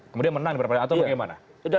kemudian menang atau bagaimana